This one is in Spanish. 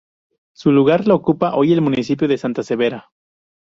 Su lugar lo ocupa hoy el municipio de Santa Severa.